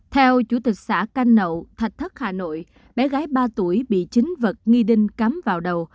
theo chủ tịch xã canh nậu thạch thất hà nội bé gái ba tuổi bị chính vật nghi đinh cắm vào đầu